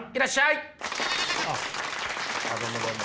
あっどうもどうも。